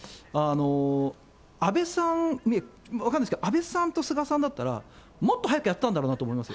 安倍さん、分かんないですけど、安倍さんと菅さんならもっと早くやってたんだろうなと思います。